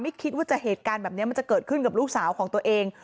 คิดว่าเหตุการณ์แบบนี้มันจะเกิดขึ้นกับลูกสาวของตัวเอง